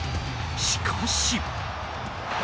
しかし。